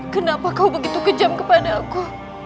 kenapa kau begitu kejam kepada aku